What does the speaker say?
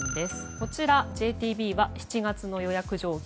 こちらＪＴＢは７月の予約状況